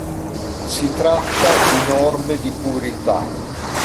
Si tratta di norme di purità.